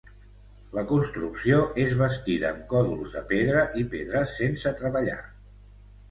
La construcció és bastida amb còdols de pedra i pedres sense treballar.